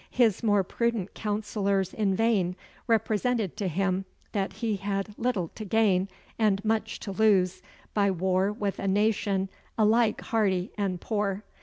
His more prudent counsellors in vain represented to him that he had little to gain, and much to lose, by war with a nation alike hardy and poor.